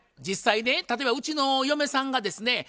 実際ね例えばうちの嫁さんがですね